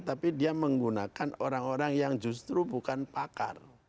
tapi dia menggunakan orang orang yang justru bukan pakar